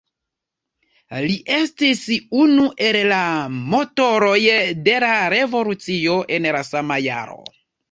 Li estis unu el la motoroj de la revolucio en la sama jaro.